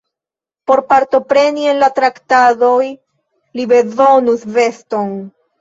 Por partopreni en la traktadoj, li bezonus veston.